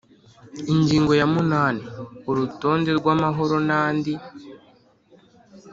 Ingingo ya munani Urutonde rw amahoro n andi